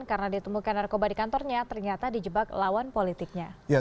karena ditemukan narkoba di kantornya ternyata dijebak lawan politiknya